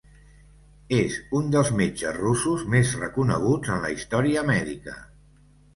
És un dels metges russos més reconeguts en la història mèdica.